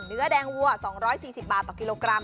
เนื้อแดงวัว๒๔๐บาทต่อกิโลกรัม